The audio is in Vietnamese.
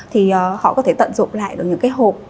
thì họ có thể tận dụng lại được những cái hộp